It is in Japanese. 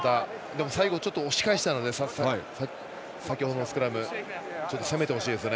最後ちょっと押し返したので先程のスクラム攻めてほしいです。